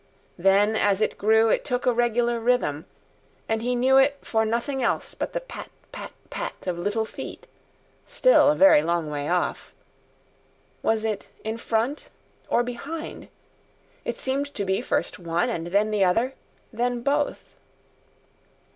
Then as it grew it took a regular rhythm, and he knew it for nothing else but the pat pat pat of little feet still a very long way off. Was it in front or behind? It seemed to be first one, and then the other, then both.